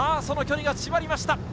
その距離が縮まりました。